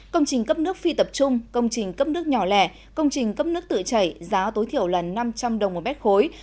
công trình cấp nước phi tập trung công trình cấp nước nhỏ lẻ công trình cấp nước tự chảy giá tối thiểu là năm trăm linh đồng một mét khối